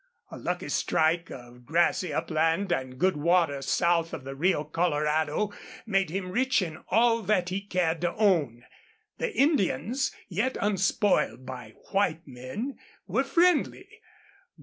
A lucky strike of grassy upland and good water south of the Rio Colorado made him rich in all that he cared to own. The Indians, yet unspoiled by white men, were friendly.